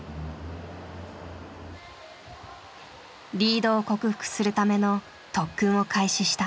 リードを克服するための特訓を開始した。